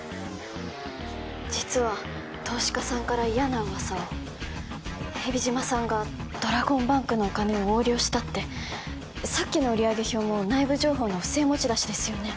実は投資家さんから嫌な噂を蛇島さんがドラゴンバンクのお金を横領したってさっきの売上表も内部情報の不正持ち出しですよね